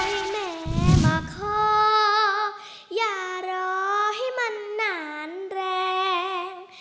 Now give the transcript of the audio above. ชอบก็ให้แม่มาคออย่าอย่าให้มันน้ำแรง